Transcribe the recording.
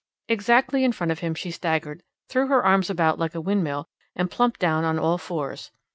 Exactly in front of him she staggered, threw her arms about like a windmill, and plumped down on all fours.